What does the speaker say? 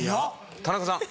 田中さん。